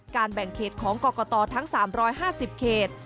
แบ่งเขตของกรกตทั้ง๓๕๐เขต